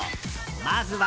まずは。